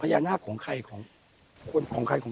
พญาหนาคของใครของของใคร